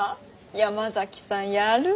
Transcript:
山崎さんやる。